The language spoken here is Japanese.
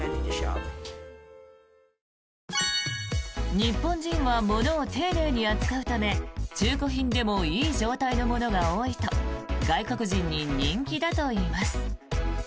日本人はものを丁寧に扱うため中古品でもいい状態のものが多いと外国人に人気だといいます。